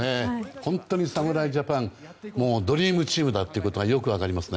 本当に侍ジャパンドリームチームだということがよく分かりますね。